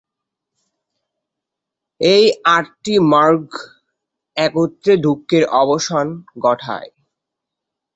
এই আটটি মার্গ একত্রে দুঃখের অবসান ঘটায়।